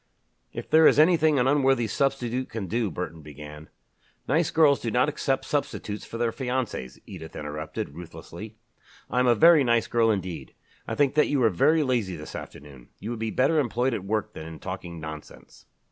"If there is anything an unworthy substitute can do," Burton began, "Nice girls do not accept substitutes for their fiancés," Edith interrupted, ruthlessly. "I am a very nice girl indeed. I think that you are very lazy this afternoon. You would be better employed at work than in talking nonsense."